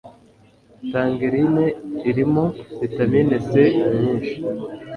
Tangerine irimo vitamine C. nyinshi